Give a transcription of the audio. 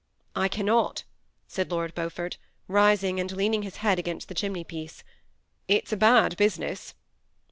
" I cannot," said Lord Beaufort, rising and leaning his head against the chimney piece. " It 's a bad busi ness."